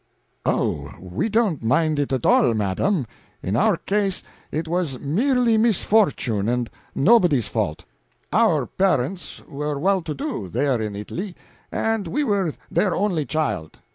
"Oh, we don't mind it at all, madam; in our case it was merely misfortune, and nobody's fault. Our parents were well to do, there in Italy, and we were their only child.